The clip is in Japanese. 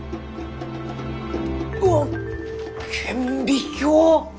うわ顕微鏡！？